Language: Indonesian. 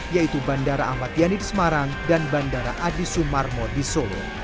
yaitu bandara ahmad yani di semarang dan bandara adi sumarmo di solo